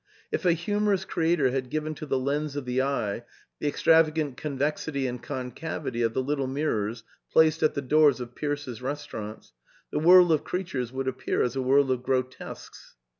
If a humorous creator had given to the lens of the eye the extravagant con vexity and concavity of the little mirrors placed at the . doors of Pierce's restaurants, the world of creatures would"'"^ appear as a world of grotesques.